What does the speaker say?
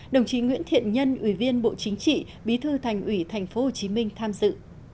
đồng chí nguyễn thiện nhân ủy viên bộ chính trị bí thư thành ủy thành phố hồ chí minh tham dự